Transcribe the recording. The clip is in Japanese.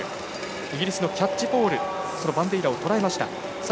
イギリスのキャッチポールバンデイラをとらえました。